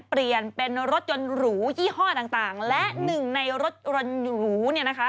เปลี่ยนเป็นรถยนต์หรูยี่ห้อต่างและหนึ่งในรถยนต์หรูเนี่ยนะคะ